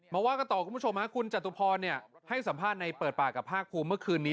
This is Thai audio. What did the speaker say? มาว่ากันต่อคุณผู้ชมคุณจตุพรให้สัมภาษณ์ในเปิดปากกับภาคภูมิเมื่อคืนนี้